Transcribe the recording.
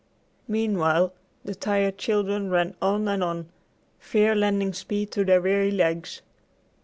Meanwhile the tired children ran on and on, fear lending speed to their weary legs.